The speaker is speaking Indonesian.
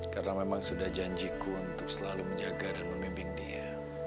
karena memang sudah janjiku untuk selalu menjaga dan memimpin dia